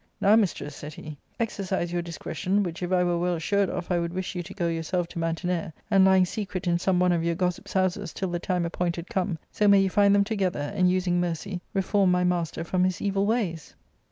Now, mistress," said he, " exercise your discretion, which if I were well assured of I would wish you to go yourself to Mantinea, and, lying secret in some one of your gossips' houses till the time appointed come, so may you find them together, and, using mercy, reform my master from his evil ways.